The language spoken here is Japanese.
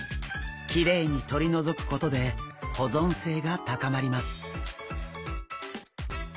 きれいにとり除くことで保存性が高まります。